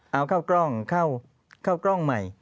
เอาข้าวกล้องเข้ากล้องใหม่